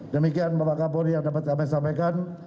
demikian bapak kapolri yang dapat kami sampaikan